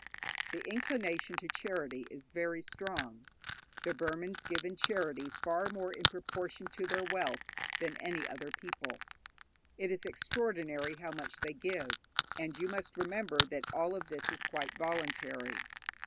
The inclination to charity is very strong. The Burmans give in charity far more in proportion to their wealth than any other people. It is extraordinary how much they give, and you must remember that all of this is quite voluntary.